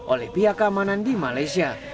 oleh pihak keamanan di malaysia